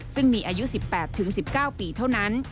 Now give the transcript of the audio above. ซึ่งมีอายุ๑๘๑๙ปีเท่านั้น